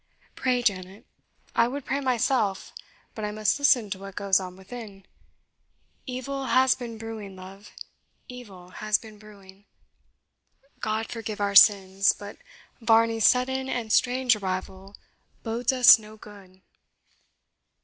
Pray, Janet I would pray myself, but I must listen to what goes on within evil has been brewing, love evil has been brewing. God forgive our sins, but Varney's sudden and strange arrival bodes us no good."